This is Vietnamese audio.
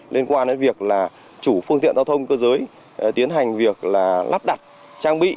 liên quan đến việc là chủ phương tiện giao thông cơ giới tiến hành việc lắp đặt trang bị